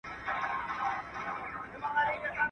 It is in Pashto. تاوېدی له ډېره درده قهرېدلی.